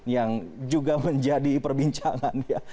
yang juga menjadi perbincangan